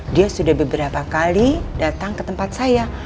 dia sudah beberapa kali datang ke tempat saya